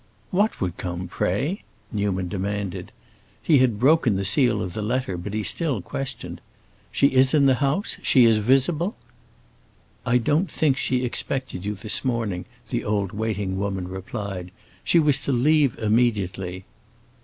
"What would come, pray?" Newman demanded. He had broken the seal of the letter, but he still questioned. "She is in the house? She is visible?" "I don't think she expected you this morning," the old waiting woman replied. "She was to leave immediately."